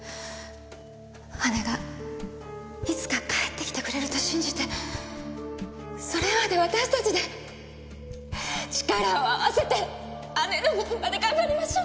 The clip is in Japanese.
姉がいつか帰ってきてくれると信じてそれまで私たちで力を合わせて姉の分まで頑張りましょう！